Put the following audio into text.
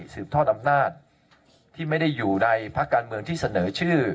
สืบทอดอำนาจที่ไม่ได้อยู่ในภาคการเมืองที่เสนอชื่อ